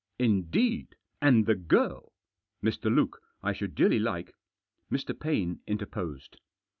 Indeed? And the girl 1 Mr. Luke, I should dearly like " Mr. Paine interposed.